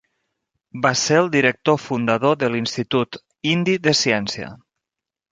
Va ser el director fundador de l'Institut indi de ciència.